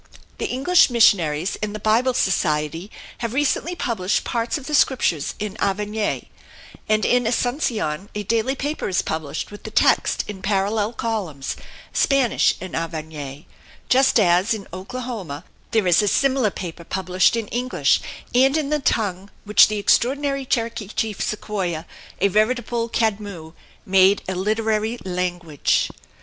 The English missionaries and the Bible Society have recently published parts of the Scriptures in Guarany and in Asuncion a daily paper is published with the text in parallel columns, Spanish and Guarany just as in Oklahoma there is a similar paper published in English and in the tongue which the extraordinary Cherokee chief Sequoia, a veritable Cadmus, made a literary language.